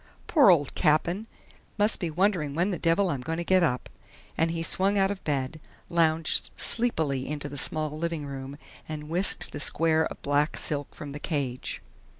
"Poor old Cap'n!... Must be wondering when the devil I'm going to get up!" and he swung out of bed, lounged sleepily into the small living room and whisked the square of black silk from the cage.